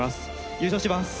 優勝します！